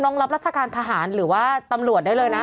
รับราชการทหารหรือว่าตำรวจได้เลยนะ